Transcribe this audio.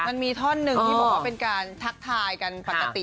มันมีท่อนหนึ่งที่บอกว่าเป็นการทักทายกันปกติ